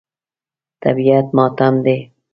طبیعت ماتم کوي.